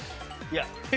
いや。